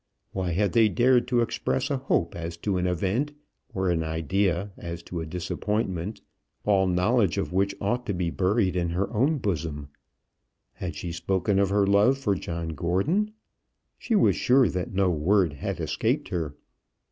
Why had they dared to express a hope as to an event, or an idea as to a disappointment, all knowledge of which ought to be buried in her own bosom? Had she spoken of her love for John Gordon? She was sure that no word had escaped her.